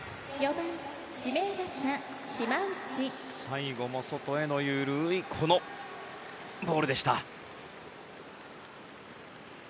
最後も外への緩いこのボールでした。